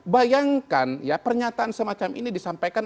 bayangkan ya pernyataan semacam ini disampaikan